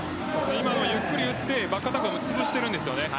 今、ゆっくり打ってバックアタックをつぶしているんです。